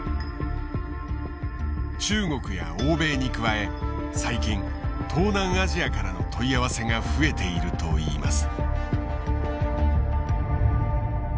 中国や欧米に加え最近東南アジアからの問い合わせが増えているといいます。